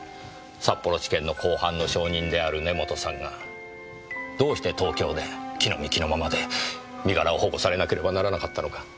札幌地検の公判の証人である根元さんがどうして東京で着のみ着のままで身柄を保護されなければならなかったのか。